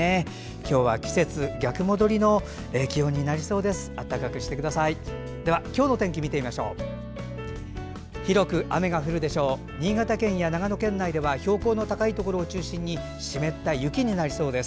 今日は季節逆戻りの気温になりそうです。